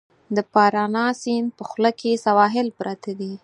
د پارانا سیند په خوله کې سواحل پراته دي.